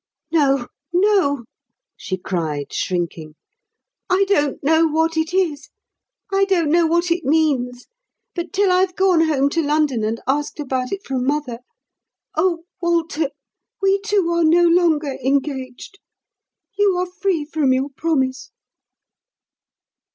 "No, no," she cried, shrinking. "I don't know what it is. I don't know what it means. But till I've gone home to London and asked about it from mother—oh, Walter, we two are no longer engaged. You are free from your promise."